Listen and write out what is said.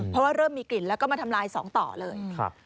เพราะว่าเริ่มมีกลิ่นแล้วก็มาทำลายสองต่อเลย